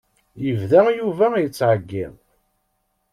Yebda Yuba yettεeyyiḍ.